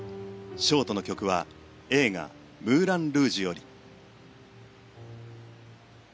ショートの曲は映画「ムーラン・ルージュ」より。